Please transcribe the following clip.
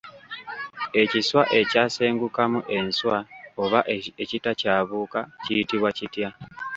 Ekiswa ekyasengukamu enswa oba ekitakyabuuka kiyitibwa kitya ?